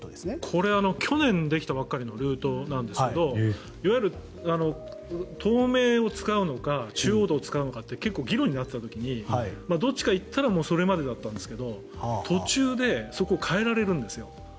これは去年できたばかりのルートなんですがいわゆる東名を使うのか中央道を使うのかって結構、議論になっていた時にどっちかに行ったらもうそれまでだったんですが途中でそこを変えられるんです。